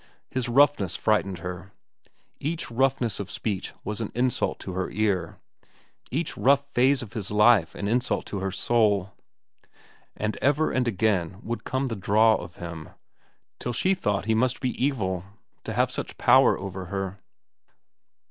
His roughness frightened her; each roughness of speech was an insult to her ear, each rough phase of his life an insult to her soul. And ever and again would come the draw of him, till she thought he must be evil to have such power over her.